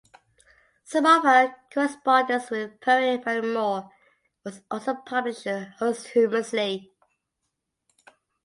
Some of her correspondence with poet Marianne Moore was also published posthumously.